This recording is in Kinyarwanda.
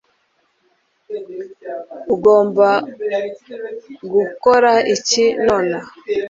ugomba gukora iki nonaha